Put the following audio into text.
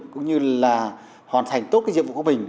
cũng như là hoàn thành tốt cái nhiệm vụ của mình